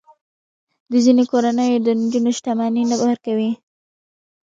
د ځینو کورنیو د نجونو شتمني نه ورکوي.